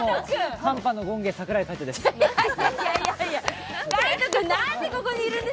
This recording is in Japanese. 寒波の権化、櫻井海音です。